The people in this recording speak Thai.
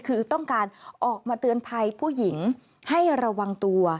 คือต้องการออกมาเตือนภัยผู้หญิงให้ระวังตัว